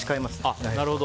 あ、なるほど。